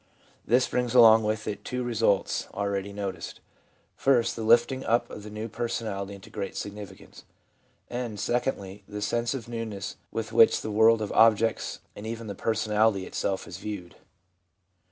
This brings along with it two results already noticed ; first, the lifting up of the new personality into great significance ; and, secondly, the sense of newness with which the world of objects and even the personality itself is viewed.